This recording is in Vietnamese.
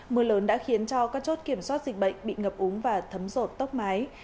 mưa lớn đã khiến cho các chốt kiểm soát dịch bệnh bị ngập úng và thấm rột tốc mái